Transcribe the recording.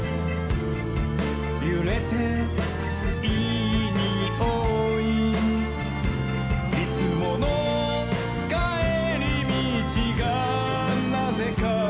「ゆれていいにおい」「いつものかえりみちがなぜか」